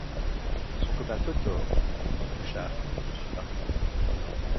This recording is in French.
Son copain Totor, un clochard, le suit partout.